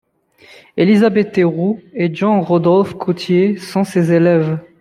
Élisabeth Terroux et Jean-Rodolphe Gautier sont ses élèves.